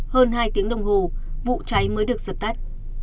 hơn hai tiếng đồng hồ vụ cháy mới được dập tắt